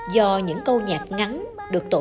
do những câu nhạc ngắn được tổ chức lại